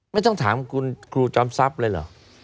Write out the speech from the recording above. ไม่ต้องถามคุณครูจอมทรัพย์เลยเหรอ